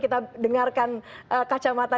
kita dengarkan kacamata